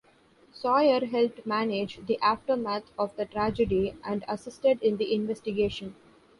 Sawyer helped manage the aftermath of the tragedy and assisted in the investigation.